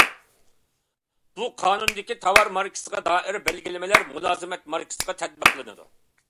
بۇ قانۇندىكى تاۋار ماركىسىغا دائىر بەلگىلىمىلەر مۇلازىمەت ماركىسىغا تەتبىقلىنىدۇ.